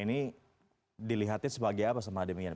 ini dilihatnya sebagai apa sama demian